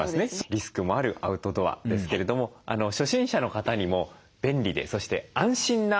リスクもあるアウトドアですけれども初心者の方にも便利でそして安心なグッズを続いて見ていきたいと思います。